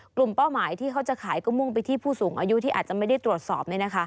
เป้าหมายที่เขาจะขายก็มุ่งไปที่ผู้สูงอายุที่อาจจะไม่ได้ตรวจสอบ